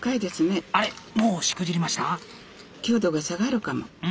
強度が下がるかも。